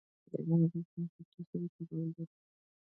بامیان د افغان کلتور سره تړاو لري.